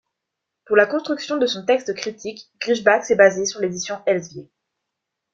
Pour la construction de son texte critique Griesbach s'est basé sur l'édition Elzevier.